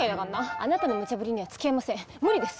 あなたのムチャブリには付き合えません無理です。